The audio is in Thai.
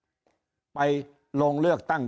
ยิ่งอาจจะมีคนเกณฑ์ไปลงเลือกตั้งล่วงหน้ากันเยอะไปหมดแบบนี้